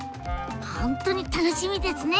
本当に楽しみですね！